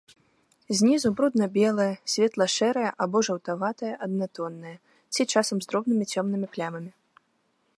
Знізу брудна-белая, светла-шэрая або жаўтаватая, аднатонная ці часам з дробнымі цёмнымі плямамі.